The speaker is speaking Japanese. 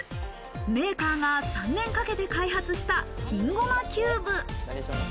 メーカーが３年かけて開発した、金ごまキューブ。